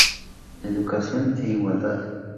Educación e igualdad.